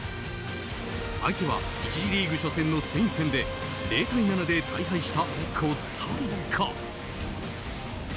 相手は１次リーグ初戦のスペイン戦で０対７で大敗したコスタリカ。